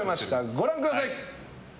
ご覧ください。